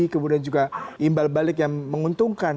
kemudian juga imbal balik yang menguntungkan